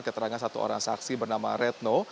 keterangan satu orang saksi bernama retno